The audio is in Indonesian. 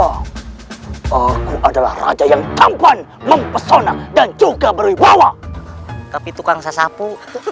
oh aku adalah raja yang tangguhan mempesona dan juga berwibawa tapi tukang sasapu